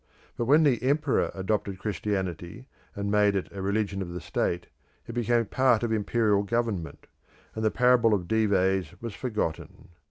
But when the emperor adopted Christianity and made it a religion of the state, it became a part of imperial government, and the parable of Dives was forgotten.